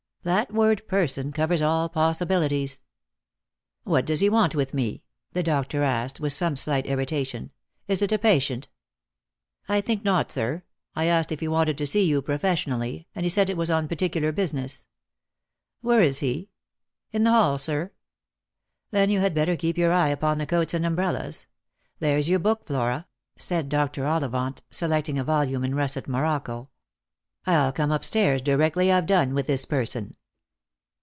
That word " person " covers all possibilities. " What does he want with me P " the doctor asked, with some slight irritation. " Is it a patient ?"" I think not, sir. I asked if he wanted to see you profes sionally, and he said it was on particular business." " Where is he P " "In the hall, sir." "Then you had better keep your eye upon the coats and umbrellas. There's your book, Flora," said Dr. Ollivant, select ing a volume in russet morocco ;" I'll come up stairs directly I've done with this person."